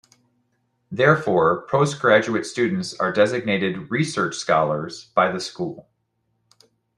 Therefore, postgraduate students are designated "Research Scholars" by the school.